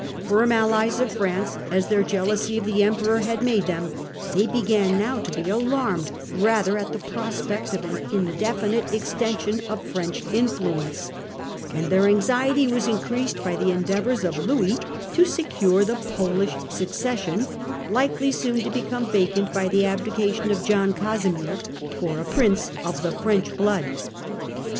Firm allies of France as their jealousy of the Emperor had made them, they began now to be alarmed rather at the prospect of an indefinite exten sion of French influence; and their anxiety was increased by the endeavours of Louis to secure the Polish succession, likely soon to become vacant by the abdica tion of John Casimir, for a Prince of the French blood.